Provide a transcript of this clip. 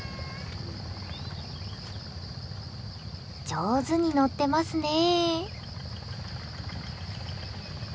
上手に乗ってますねえ。